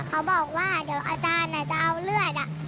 เขาบอกว่าเดี๋ยวอาจารย์จะเอาเลือด